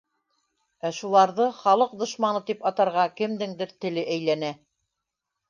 Ә шуларҙы «халыҡ дошманы» тип атарға кемдеңдер теле әйләнә...